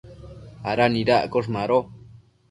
¿ada nidaccosh? Mado